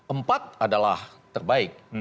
empat adalah terbaik